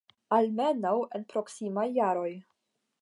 Almenaŭ, en proksimaj jaroj.